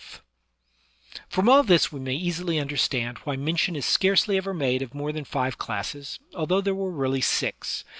lo* THE SOCIAL CONTRACT From all this we may easily understand why mention is scarcely ever made of more than five classes, although there were really six.